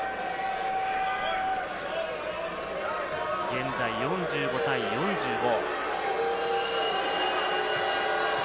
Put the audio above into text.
現在４５対４５。